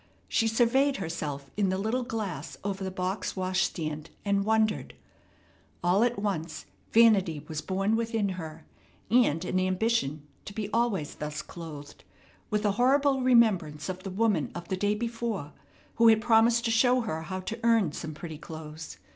She surveyed herself in the little glass over the box washstand and wondered. All at once vanity was born within her, and an ambition to be always thus clothed, with a horrible remembrance of the woman of the day before, who had promised to show her how to earn some pretty clothes.